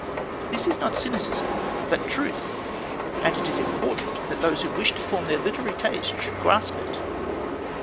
This is not cynicism; but truth. And it is important that those who wish to form their literary taste should grasp it.